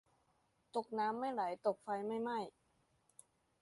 ตกน้ำไม่ไหล ตกไฟไม่ไหม้